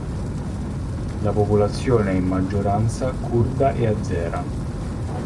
La popolazione è in maggioranza curda e azera.